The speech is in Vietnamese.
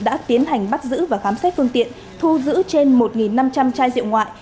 đã tiến hành bắt giữ và khám xét phương tiện thu giữ trên một năm trăm linh chai rượu ngoại